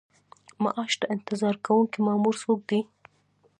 معاش ته انتظار کوونکی مامور څوک دی؟